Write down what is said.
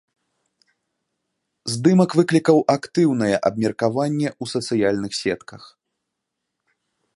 Здымак выклікаў актыўнае абмеркаванне ў сацыяльных сетках.